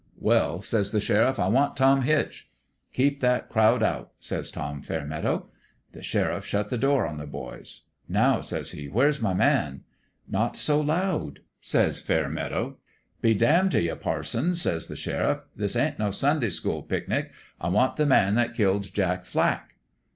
"' Well,' says the sheriff, ' I want Tom Hitch/ "' Keep that crowd out,' says John Fair meadow. "The sheriff shut the door on the boys. 1 Now,' says he, ' where's my man ?'"' Not so loud !' says Fairmeadow. "' Be damned t' you, parson !' says the sheriff. 1 This ain't no Sunday school picnic. I want the man that killed Jack Flack.'